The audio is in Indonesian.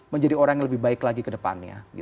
menjadi orang yang lebih baik lagi kedepannya